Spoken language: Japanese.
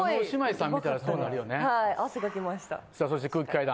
さあそして空気階段。